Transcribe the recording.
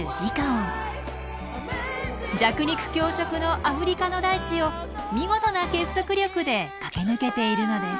弱肉強食のアフリカの大地を見事な結束力で駆け抜けているのです。